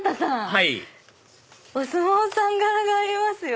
はいお相撲さん柄がありますよ。